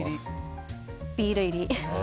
ビール入り。